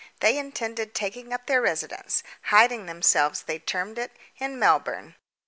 They intended taking up their residence hiding themselves, they termed it in Melbourne.